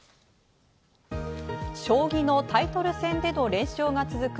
将棋のタイトル戦での連勝が続く